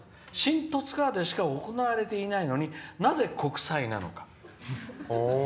新十津川でしか行われていないのになぜ、国際なのか」。